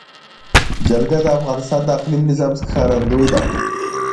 جلګه د افغانستان د اقلیمي نظام ښکارندوی ده.